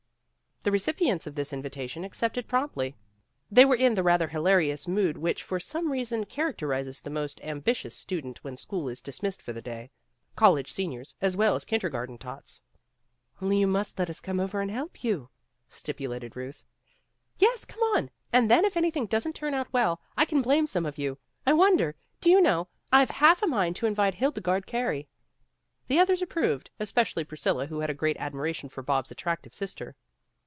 The recipients of this invitation accepted promptly. They were in the rather hilarious mood which for some reason characterizes the most ambitious student when school is dis missed for the day, college seniors as well as kindergarten tots. Only you must let us come over and help you, '' stipulated Ruth. "Yes, come on, and then if anything doesn't turn out well, I can blame some of you. I wonder do you know, I've half a mind to in vite Hildegarde Carey." The others approved, especially Priscilla who had a great admiration for Bob's attractive sister.